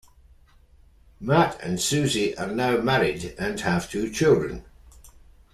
Matt and Suzy are now married and have two children.